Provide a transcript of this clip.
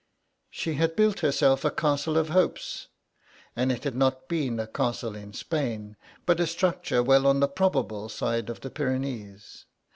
She had built herself a castle of hopes, and it had not been a castle in Spain, but a structure well on the probable side of the Pyrenees.